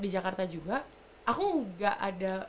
di jakarta juga aku nggak ada